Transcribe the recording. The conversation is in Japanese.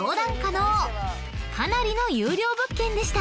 ［かなりの優良物件でした］